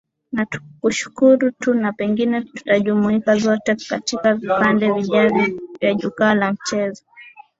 na tukushukuru tu na pengine tutajumuika zote katika vipindi vijavyo vya jukwaa la michezo